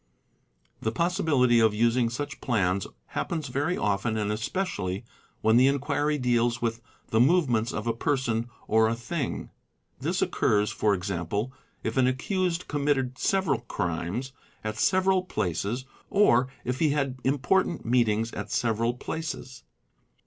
The possibility of using such plans happens very .often and especially when the enquiry deals with the movements of a person or a thing; this occurs for example if an accused committed several crimes at several places or if he had important meetings at several places.